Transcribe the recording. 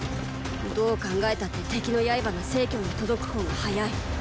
どう考えたって敵の刃が成に届く方が早い。